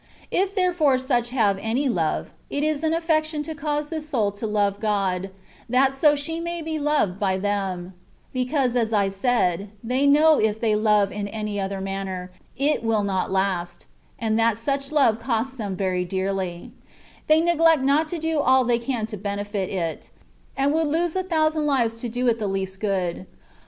K therefore such have any love, it is an aflfection to cause this soul to love God, that so she may be loved by them; (because, as I said, they know if they love in any other manner, it will not last, and that such love costs them very dearly) — ^they neglect not to do all they can to benefit it, and would lose a thousand lives to do it the least good.